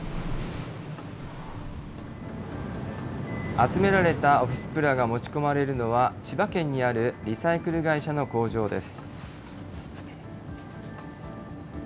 集められたオフィスプラが持ち込まれるのは、千葉県にあるリサイクル会社の工場です。